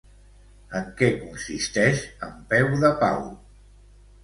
En què consisteix En Peu de Pau?